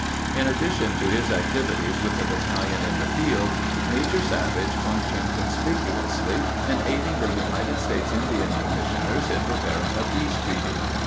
In addition to his activities with the battalion in the field, Major Savage functioned conspicuously in aiding the United States Indian Commissioners in preparing a peace treaty.